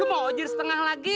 lo mau ojir setengah lagi